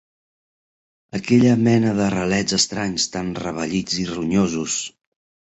Aquella mena de ralets estranys, tan revellits i ronyosos.